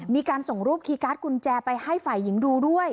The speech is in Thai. มีการส่งรูปคีย์การ์ดกุญแจไปให้ฝ่ายหญิงดูด้วย